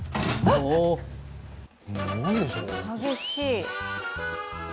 激しい。